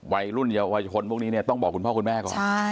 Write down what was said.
วัยรุ่นเยาวชนพวกนี้เนี่ยต้องบอกคุณพ่อคุณแม่ก่อน